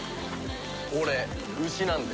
俺牛なんで。